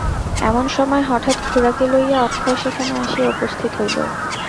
এমন সময় হঠাৎ খুড়াকে লইয়া অক্ষয় সেখানে আসিয়া উপস্থিত হইল।